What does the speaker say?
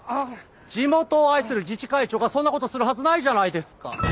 地元を愛する自治会長がそんな事するはずないじゃないですか。